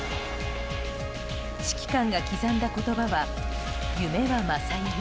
指揮官が刻んだ言葉は夢は正夢